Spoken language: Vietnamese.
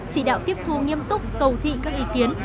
chỉ đạo tiếp thu nghiêm túc cầu thị các ý kiến